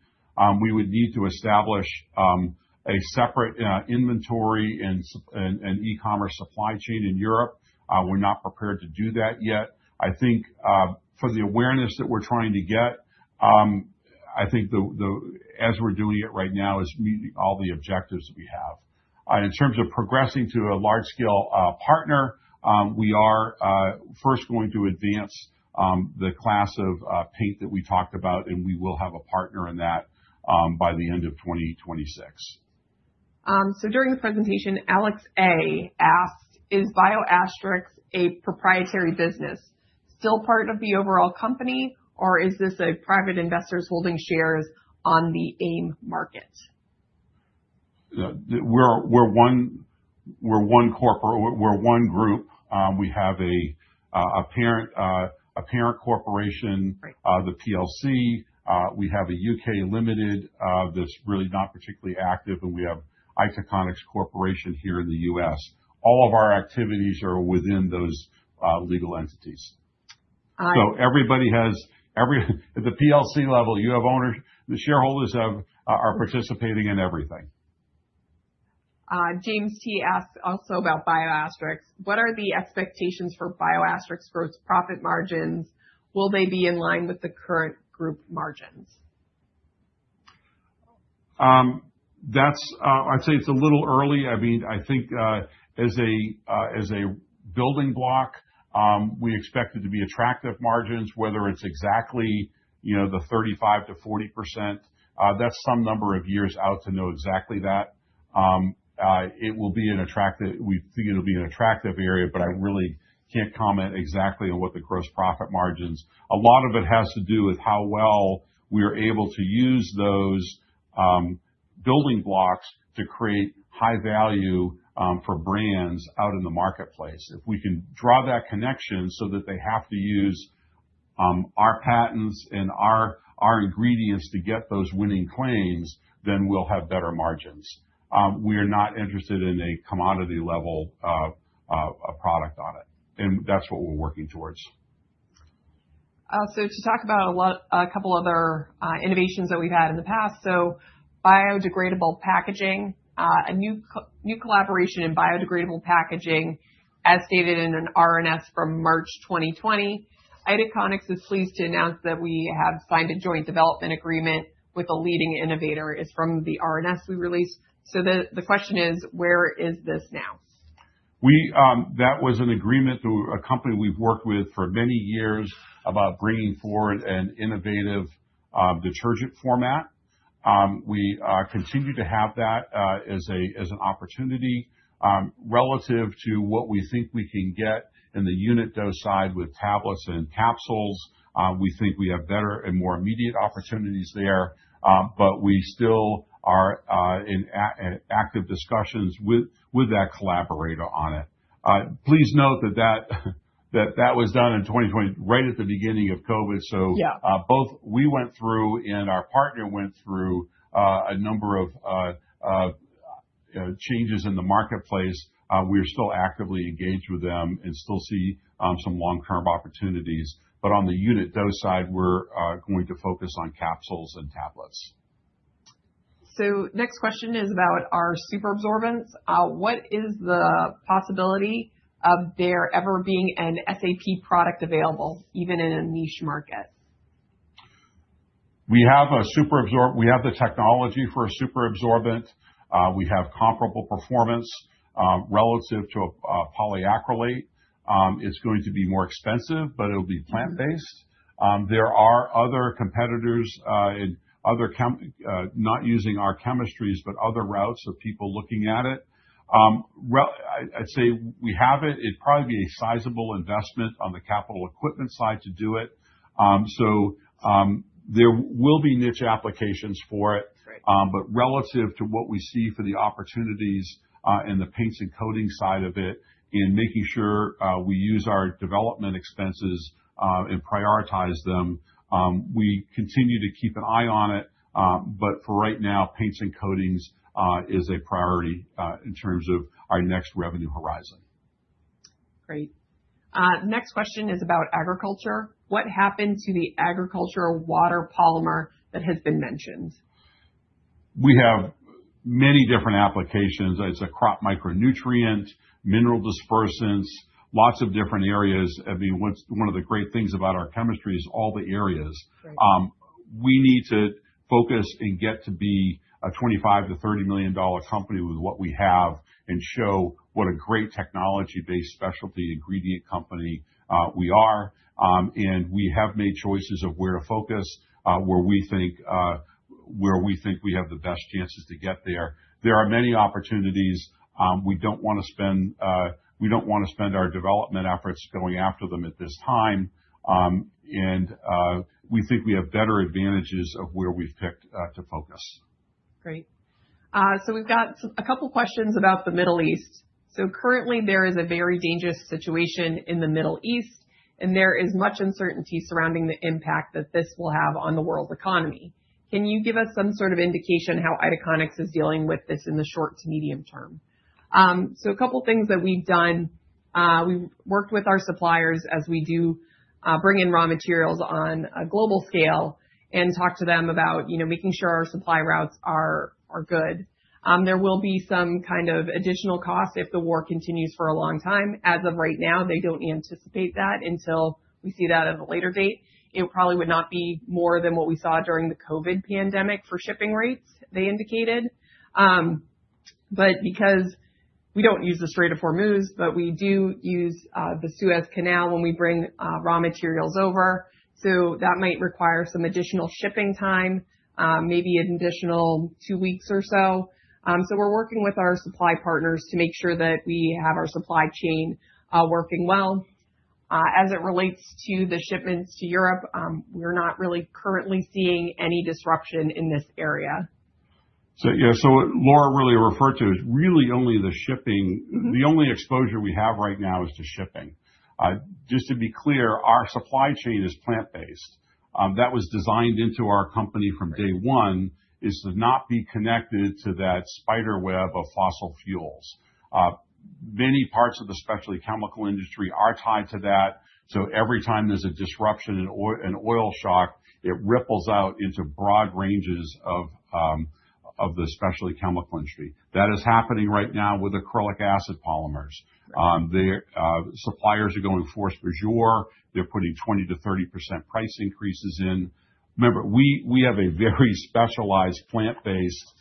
We would need to establish a separate inventory and e-commerce supply chain in Europe. We're not prepared to do that yet. I think for the awareness that we're trying to get, I think as we're doing it right now is meeting all the objectives we have. In terms of progressing to a large scale partner, we are first going to advance the class of paint that we talked about, and we will have a partner in that by the end of 2026. During the presentation, Alex A asked, "Is BIO*Asterix a proprietary business? Still part of the overall company, or is this a private investors holding shares on the AIM market? We're one group. We have a parent corporation. Right. The PLC. We have a UK Limited that's really not particularly active, and we have Itaconix Corporation here in the U.S. All of our activities are within those legal entities. All right. At the PLC level, you have owners. The shareholders are participating in everything. James T asked also about BIO*Asterix, "What are the expectations for BIO*Asterix gross profit margins? Will they be in line with the current group margins? I'd say it's a little early. I think as a building block, we expect it to be attractive margins, whether it's exactly the 35% to 40%. That's some number of years out to know exactly that. We think it will be an attractive area. I really can't comment exactly on what the gross profit margins. A lot of it has to do with how well we are able to use those building blocks to create high value for brands out in the marketplace. If we can draw that connection so that they have to use our patents and our ingredients to get those winning claims, then we'll have better margins. We are not interested in a commodity level of product on it. That's what we're working towards. To talk about a couple other innovations that we've had in the past. Biodegradable packaging. A new collaboration in biodegradable packaging as stated in an RNS from March 2020. Itaconix is pleased to announce that we have signed a joint development agreement with a leading innovator is from the RNS we released. The question is, where is this now? That was an agreement through a company we've worked with for many years about bringing forward an innovative detergent format. We continue to have that as an opportunity relative to what we think we can get in the unit dose side with tablets and capsules. We think we have better and more immediate opportunities there, but we still are in active discussions with that collaborator on it. Please note that was done in 2020, right at the beginning of COVID. Yeah. Both we went through and our partner went through a number of changes in the marketplace. We are still actively engaged with them and still see some long-term opportunities. On the unit dose side, we are going to focus on capsules and tablets. Next question is about our superabsorbents. What is the possibility of there ever being an SAP product available, even in a niche market? We have the technology for a super absorbent. We have comparable performance relative to a polyacrylate. It's going to be more expensive, but it'll be plant-based. There are other competitors, not using our chemistries, but other routes of people looking at it. I'd say we have it. It'd probably be a sizable investment on the capital equipment side to do it. There will be niche applications for it. Right. Relative to what we see for the opportunities in the paints and coatings side of it, in making sure we use our development expenses, and prioritize them, we continue to keep an eye on it. For right now, paints and coatings is a priority in terms of our next revenue horizon. Great. Next question is about agriculture. What happened to the agricultural water polymer that has been mentioned? We have many different applications. It's a crop micronutrient, mineral dispersants, lots of different areas. I mean, one of the great things about our chemistry is all the areas. Right. We need to focus and get to be a 25 million to GBP 30 million company with what we have, and show what a great technology-based specialty ingredient company we are. We have made choices of where to focus, where we think we have the best chances to get there. There are many opportunities. We don't want to spend our development efforts going after them at this time. We think we have better advantages of where we've picked to focus. Great. We've got a couple questions about the Middle East. Currently there is a very dangerous situation in the Middle East, and there is much uncertainty surrounding the impact that this will have on the world's economy. Can you give us some sort of indication how Itaconix is dealing with this in the short to medium term? A couple things that we've done, we've worked with our suppliers as we do bring in raw materials on a global scale and talk to them about making sure our supply routes are good. There will be some kind of additional cost if the war continues for a long time. As of right now, they don't anticipate that until we see that at a later date. It probably would not be more than what we saw during the COVID pandemic for shipping rates, they indicated. Because we don't use the Strait of Hormuz, but we do use the Suez Canal when we bring raw materials over, so that might require some additional shipping time, maybe an additional two weeks or so. We are working with our supply partners to make sure that we have our supply chain working well. As it relates to the shipments to Europe, we're not really currently seeing any disruption in this area. Yeah. So what Laura really referred to is really only the shipping. The only exposure we have right now is to shipping. Just to be clear, our supply chain is plant-based. That was designed into our company from day one, is to not be connected to that spider web of fossil fuels. Many parts of the specialty chemical industry are tied to that, so every time there is a disruption, an oil shock, it ripples out into broad ranges of the specialty chemical industry. That is happening right now with acrylic acid polymers. Right. The suppliers are going force majeure. They're putting 20% to 30% price increases in. Remember, we have a very specialized plant-based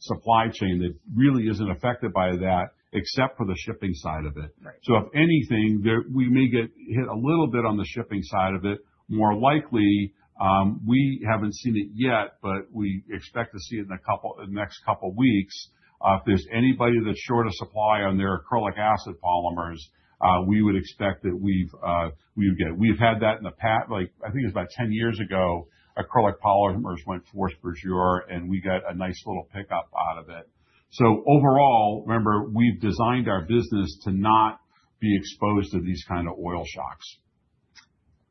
supply chain that really isn't affected by that except for the shipping side of it. Right. If anything, we may get hit a little bit on the shipping side of it, more likely, we haven't seen it yet, but we expect to see it in the next couple weeks. If there's anybody that's short of supply on their acrylic acid polymers, we would expect that we've had that in the past, I think it was about 10 years ago, acrylic polymers went force majeure, and we got a nice little pickup out of it. Overall, remember, we've designed our business to not be exposed to these kind of oil shocks.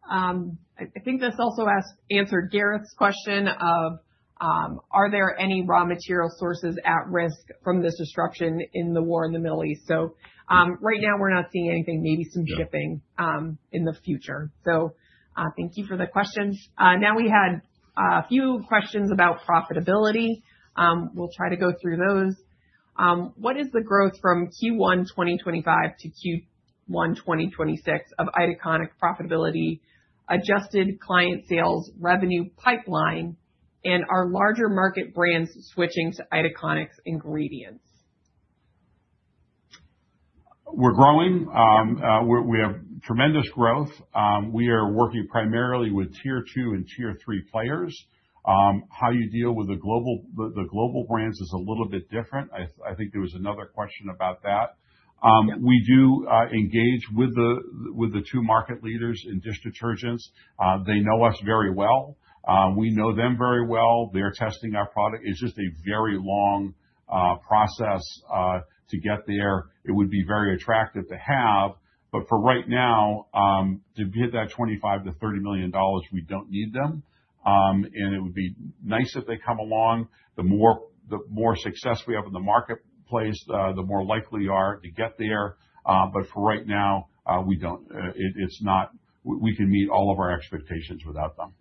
I think this also answered Gareth's question of, are there any raw material sources at risk from this disruption in the war in the Middle East? Right now we're not seeing anything, maybe some shipping- Yeah in the future. Thank you for the question. We had a few questions about profitability. We'll try to go through those. What is the growth from Q1 2025 to Q1 2026 of Itaconix profitability adjusted client sales revenue pipeline? Are larger market brands switching to Itaconix ingredients? We're growing. We have tremendous growth. We are working primarily with Tier 2 and Tier 3 players. How you deal with the global brands is a little bit different. I think there was another question about that. Yeah. We do engage with the two market leaders in dish detergents. They know us very well. We know them very well. They're testing our product. It's just a very long process to get there. It would be very attractive to have, for right now, to get that $25 million to $30 million, we don't need them. It would be nice if they come along. The more success we have in the marketplace, the more likely we are to get there. For right now, we can meet all of our expectations without them.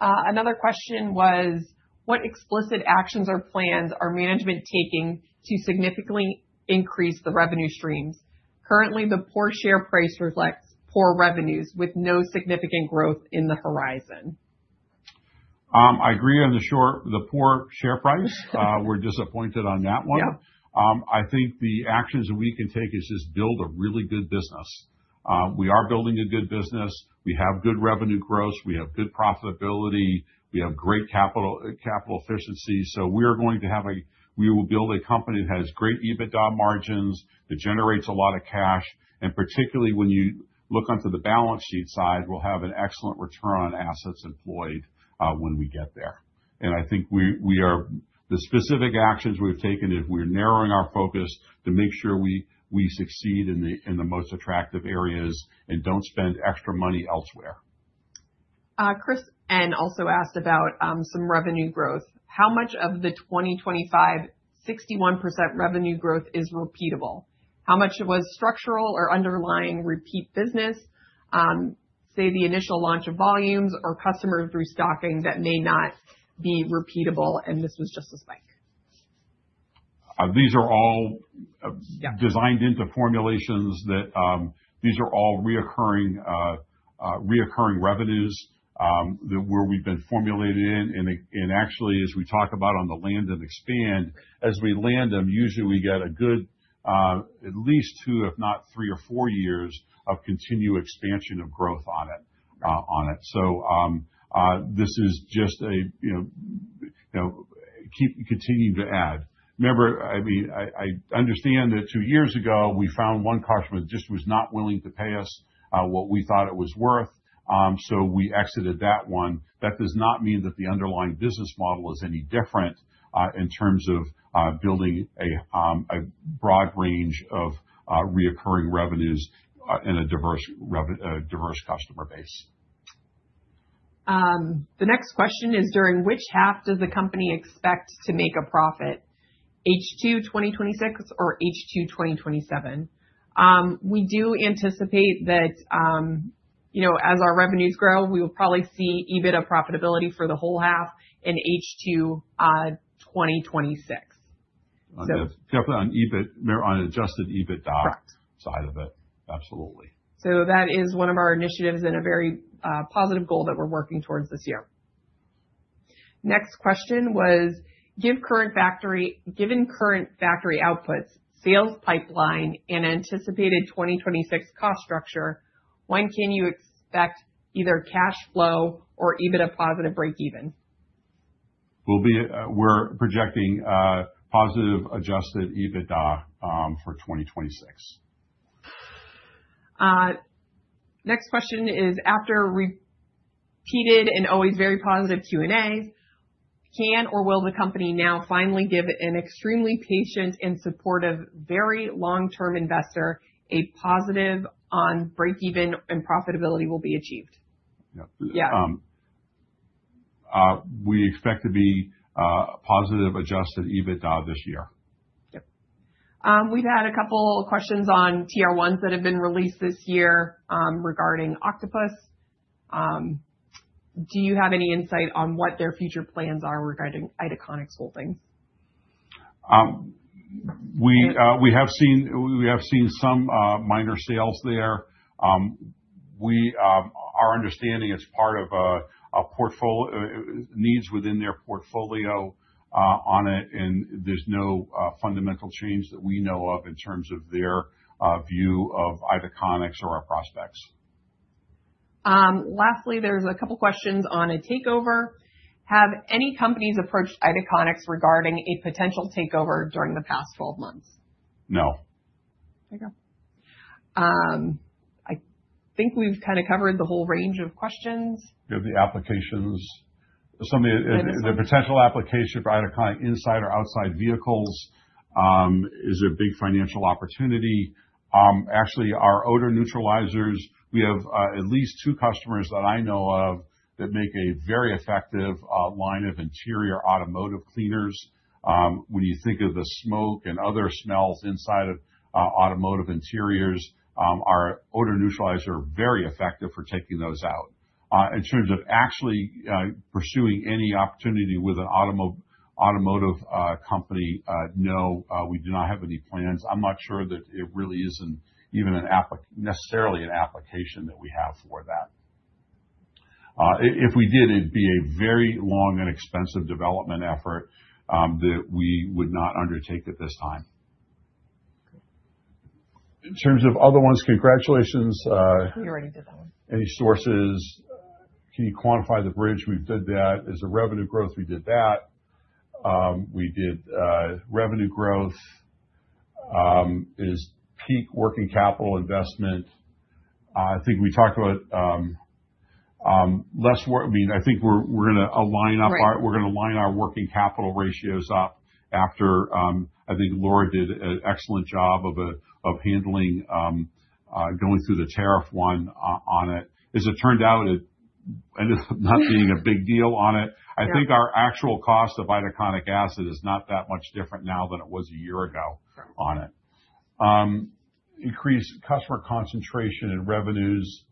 Another question was, what explicit actions or plans are management taking to significantly increase the revenue streams? Currently, the poor share price reflects poor revenues with no significant growth in the horizon. I agree on the poor share price. We are disappointed on that one. Yeah. I think the actions that we can take is just build a really good business. We are building a good business. We have good revenue growth. We have good profitability. We have great capital efficiency. We will build a company that has great EBITDA margins, that generates a lot of cash, and particularly when you look onto the balance sheet side, we'll have an excellent return on assets employed when we get there. I think the specific actions we have taken is we're narrowing our focus to make sure we succeed in the most attractive areas and don't spend extra money elsewhere. Chris N. also asked about some revenue growth. How much of the 2025 61% revenue growth is repeatable? How much was structural or underlying repeat business, say, the initial launch of volumes or customers restocking that may not be repeatable, and this was just a spike? These are all- Yeah designed into formulations that these are all recurring revenues, where we've been formulated in. Actually, as we talk about on the land and expand, as we land them, usually we get a good at least two, if not three or four years of continued expansion of growth on it. This is just a continue to add. Remember, I understand that two years ago, we found one customer that just was not willing to pay us what we thought it was worth, so we exited that one. That does not mean that the underlying business model is any different, in terms of building a broad range of recurring revenues and a diverse customer base. The next question is, during which half does the company expect to make a profit, H2 2026 or H2 2027? We do anticipate that as our revenues grow, we will probably see EBITDA profitability for the whole half in H2 2026. Definitely on an adjusted EBITDA. Correct side of it. Absolutely. That is one of our initiatives and a very positive goal that we are working towards this year. Next question was, given current factory outputs, sales pipeline, and anticipated 2026 cost structure, when can you expect either cash flow or EBITDA positive breakeven? We're projecting a positive adjusted EBITDA for 2026. Next question is, after repeated and always very positive Q&As, can or will the company now finally give an extremely patient and supportive, very long-term investor a positive on breakeven and profitability will be achieved? Yeah. Yeah. We expect to be positive adjusted EBITDA this year. Yep. We have had a couple questions on TR1s that have been released this year, regarding Octopus. Do you have any insight on what their future plans are regarding Itaconix holdings? We have seen some minor sales there. Our understanding, it's part of needs within their portfolio on it, and there's no fundamental change that we know of in terms of their view of Itaconix or our prospects. Lastly, there's a couple questions on a takeover. Have any companies approached Itaconix regarding a potential takeover during the past 12 months? No. There you go. I think we've kind of covered the whole range of questions. The applications. The potential application for Itaconix inside or outside vehicles is a big financial opportunity. Actually, our odor neutralizers, we have at least two customers that I know of that make a very effective line of interior automotive cleaners. When you think of the smoke and other smells inside of automotive interiors, our odor neutralizer are very effective for taking those out. In terms of actually pursuing any opportunity with an automotive company, no, we do not have any plans. I'm not sure that it really isn't necessarily an application that we have for that. If we did, it'd be a very long and expensive development effort that we would not undertake at this time. In terms of other ones, congratulations. We already did that one. Any sources. Can you quantify the bridge? We did that. As a revenue growth, we did that. We did revenue growth. Is peak working capital investment. Right We're going to line our working capital ratios up after, I think Laura did an excellent job of handling, going through the TR1 on it. As it turned out, it ended up not being a big deal on it. Yeah. I think our actual cost of itaconic acid is not that much different now than it was a year ago on it. Increased customer concentration and revenues.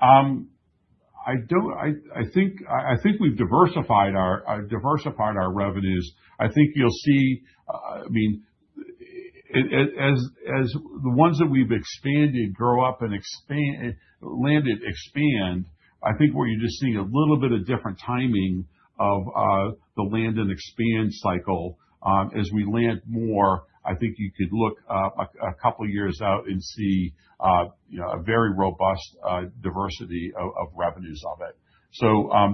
I think we've diversified our revenues. I think you'll see, as the ones that we've expanded grow up and land and expand, I think where you're just seeing a little bit of different timing of the land and expand cycle. As we land more, I think you could look a couple of years out and see a very robust diversity of revenues of it.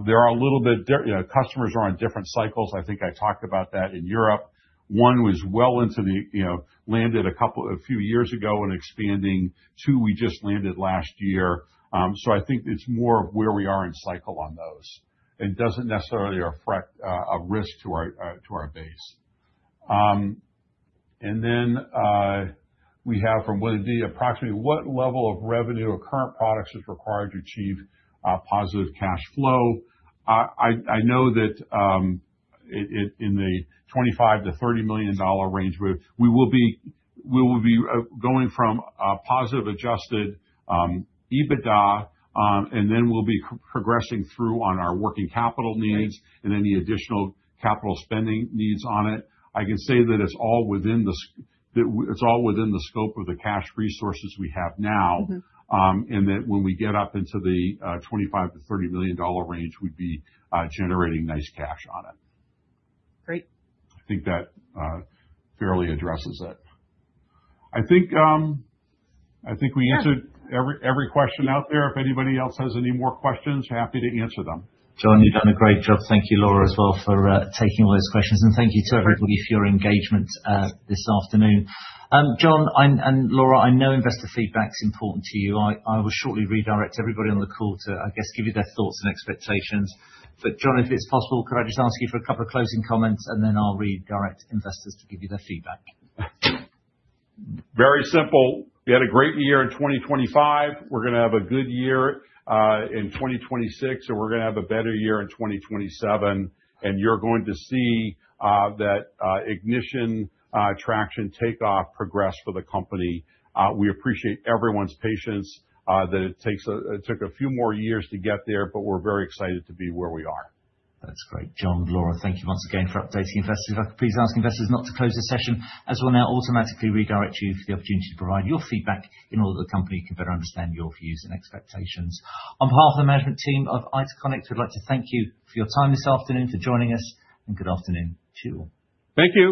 There are a little bit, customers are on different cycles. I think I talked about that in Europe. One was well into the, landed a few years ago and expanding. Two, we just landed last year. I think it's more of where we are in cycle on those. It doesn't necessarily affect a risk to our base. We have from Wendy, "Approximately what level of revenue of current products is required to achieve positive cash flow?" I know that in the 25 million to GBP 30 million range, we will be going from a positive adjusted EBITDA, and then we'll be progressing through on our working capital needs. Right Any additional capital spending needs on it. I can say that it is all within the scope of the cash resources we have now. That when we get up into the 25 million to GBP 30 million range, we'd be generating nice cash on it. Great. I think that fairly addresses it. Yeah every question out there. If anybody else has any more questions, happy to answer them. John, you've done a great job. Thank you, Laura, as well for taking all those questions. Thank you to everybody for your engagement this afternoon. John and Laura, I know investor feedback's important to you. I will shortly redirect everybody on the call to, I guess, give you their thoughts and expectations. John, if it's possible, could I just ask you for a couple of closing comments, and then I'll redirect investors to give you their feedback. Very simple. We had a great year in 2025. We are going to have a good year in 2026. We are going to have a better year in 2027. You're going to see that ignition, traction, takeoff, progress for the company. We appreciate everyone's patience. That it took a few more years to get there, but we're very excited to be where we are. That's great. John, Laura, thank you once again for updating investors. If I could please ask investors not to close this session as we'll now automatically redirect you for the opportunity to provide your feedback in order that the company can better understand your views and expectations. On behalf of the management team of Itaconix, we'd like to thank you for your time this afternoon, for joining us, and good afternoon to you all. Thank you.